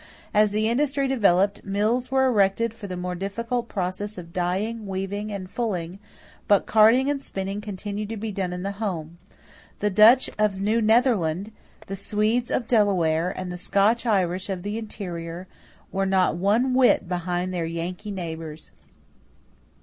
As the industry developed, mills were erected for the more difficult process of dyeing, weaving, and fulling, but carding and spinning continued to be done in the home. The Dutch of New Netherland, the Swedes of Delaware, and the Scotch Irish of the interior "were not one whit behind their Yankee neighbors."